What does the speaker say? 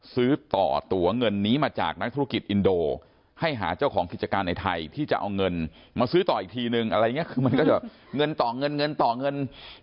ซื้อต่อตัวเงินนี้มาจากนักธุรกิจอินโดให้หาเจ้าของกิจการในไทยที่จะเอาเงินมาซื้อต่ออีกทีนึงอะไรอย่างนี้คือมันก็จะเงินต่อเงินเงินต่อเงิน